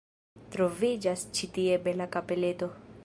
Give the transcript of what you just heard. Troviĝas ĉi tie bela kapeleto.